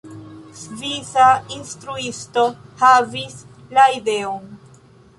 Svisa instruisto havis la ideon.